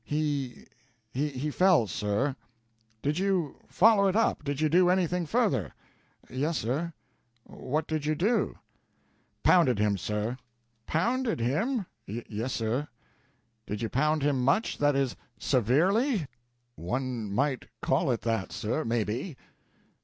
"He he fell, sir." "Did you follow it up? Did you do anything further?" "Yes, sir." "What did you do?" "Pounded him, sir." "Pounded him?" "Yes, sir." "Did you pound him much that is, severely?" "One might call it that, sir, maybe."